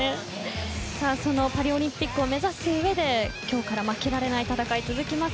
そのパリオリンピックを目指す上で今日から負けられない戦いが続きます。